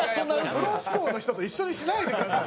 プロ志向の人と一緒にしないでください。